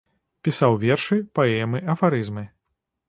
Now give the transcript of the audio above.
Пісаў вершы, паэмы, афарызмы.